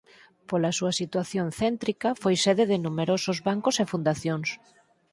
Pola súa situación céntrica foi sede de numerosos bancos e fundacións.